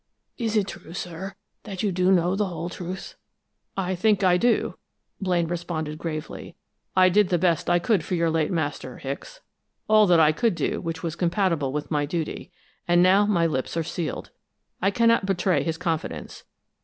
Is it true, sir, that you do know the whole truth?" "I think I do," Blaine responded gravely. "I did the best I could for your late master, Hicks, all that I could do which was compatible with my duty, and now my lips are sealed. I cannot betray his confidence.